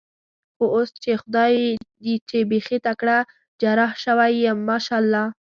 خو اوس په خدای چې بېخي تکړه جراح شوی یم، ماشاءالله.